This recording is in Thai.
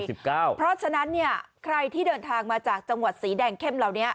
เพราะฉะนั้นใครที่เดินทางมาจากจังหวัดสีแดงเข้มเหล่านี้